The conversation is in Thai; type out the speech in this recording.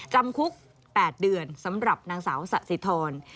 จำคุก๘เดือนสำหรับนางสาวสะสิทร